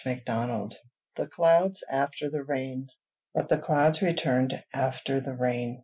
CHAPTER XXXIII. THE CLOUDS AFTER THE RAIN. But the clouds returned after the rain.